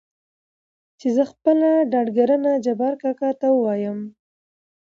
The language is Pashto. چې زه خپله ډاډګرنه جبار کاکا ته ووايم .